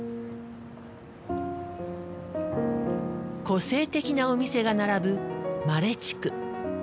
個性的なお店が並ぶマレ地区。